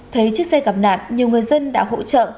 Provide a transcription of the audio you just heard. thấy chiếc xe gặp nạn nhiều người dân đã hỗ trợ